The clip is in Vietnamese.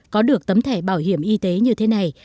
có được tấm thẻ bảo hiểm y tế như thế này